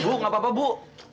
bu gak apa apa bu